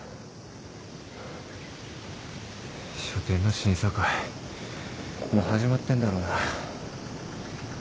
書展の審査会もう始まってんだろうな。